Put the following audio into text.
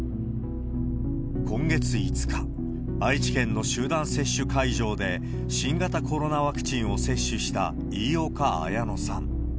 今月５日、愛知県の集団接種会場で、新型コロナワクチンを接種した飯岡綾乃さん。